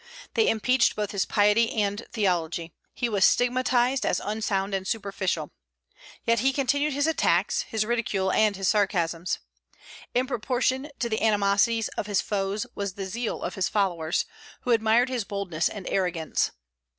They impeached both his piety and theology. He was stigmatized as unsound and superficial. Yet he continued his attacks, his ridicule, and his sarcasms. In proportion to the animosities of his foes was the zeal of his followers, who admired his boldness and arrogance.